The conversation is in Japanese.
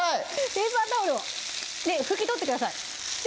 ペーパータオルを拭き取ってください